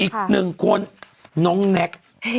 อีกหนึ่งคนน้องแน็ก